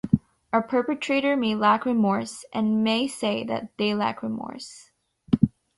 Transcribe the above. A perpetrator may lack remorse and may say that they lack remorse.